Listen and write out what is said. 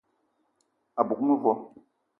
A bug mevo